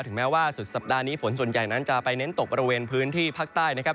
แม้ว่าสุดสัปดาห์นี้ฝนส่วนใหญ่นั้นจะไปเน้นตกบริเวณพื้นที่ภาคใต้นะครับ